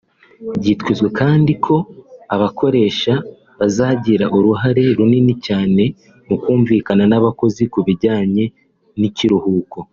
Byitezwe kandi ko abakoresha bazagira uruhare runini cyane mu kumvikana n’abakozi ku bijyanye n’ikiruhuko